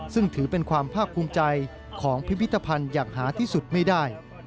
ซึ่งถือเป็นความภาคภูมิใจของพิพิธภัณฑ์อย่างหาที่สุดไม่ได้